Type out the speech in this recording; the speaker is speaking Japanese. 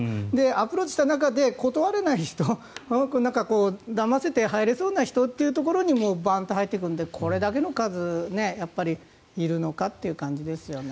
アプローチした中で断れない人、だませて入れそうな人というところにバンと入っていくのでこれだけの数、いるのかという感じですよね。